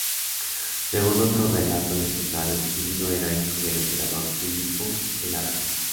Según otro relato legendario, Quirino era hijo del emperador Filipo el Árabe.